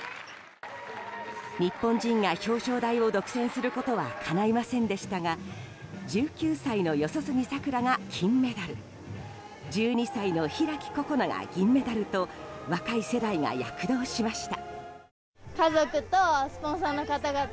日本人が表彰台を独占することはかないませんでしたが１９歳の四十住さくらが金メダル１２歳の開心那が銀メダルと若い世代が躍動しました。